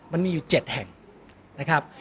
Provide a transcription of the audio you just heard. มันมีอยู่๗แห่งนะครับ